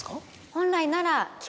本来なら。